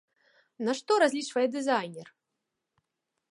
На што разлічвае дызайнер?